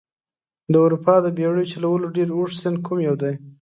د اروپا د بیړیو چلولو ډېر اوږد سیند کوم یو دي؟